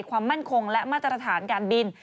ความมั่นคงและมาตรฐานการบิน